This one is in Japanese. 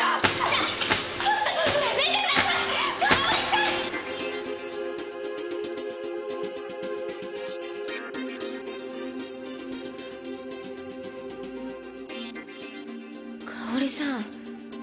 かおりさん。